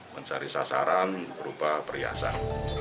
mencari sasaran berupa periasan